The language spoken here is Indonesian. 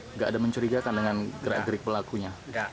nggak ada mencurigakan dengan gerak gerik pelakunya